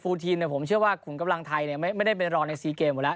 ฟูลทีนเนี่ยผมเชื่อว่าขุมกำลังไทยเนี่ยไม่ไม่ได้เป็นรอในสี่เกมหมดแล้ว